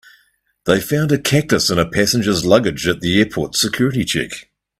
They found a cactus in a passenger's luggage at the airport's security check.